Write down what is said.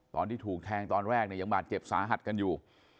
ตอนที่ถูกแทงตอนแรกเนี่ยยังบาดเจ็บสาหัสกันอยู่